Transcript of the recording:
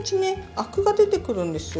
アクが出てくるんですよ。